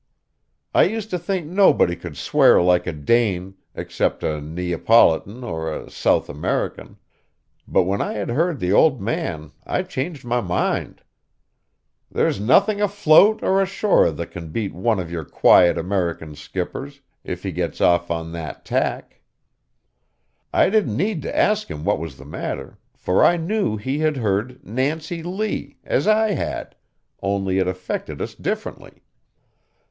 I used to think nobody could swear like a Dane, except a Neapolitan or a South American; but when I had heard the old man I changed my mind. There's nothing afloat or ashore that can beat one of your quiet American skippers, if he gets off on that tack. I didn't need to ask him what was the matter, for I knew he had heard "Nancy Lee," as I had, only it affected us differently.